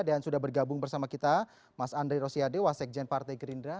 dan sudah bergabung bersama kita mas andre rosiade wasegjen partai gerindra